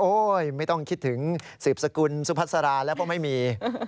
ไม่ต้องคิดถึงสืบสกุลสุพัสราแล้วเพราะไม่มี